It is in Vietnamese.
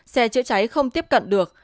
xe chữa cháy không tiếp cận được